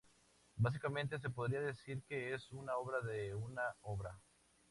Básicamente se podría decir que es una obra de una obra.